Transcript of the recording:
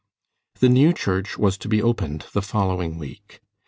The new church was to be opened the following week.